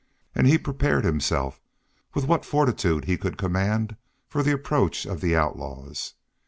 And he prepared himself, with what fortitude he could command for the approach of the outlaws.